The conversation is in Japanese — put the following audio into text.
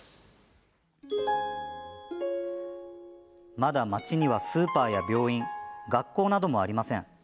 まだ町にはスーパーや病院学校などもありません。